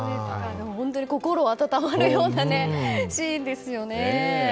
心温まるようなシーンですよね。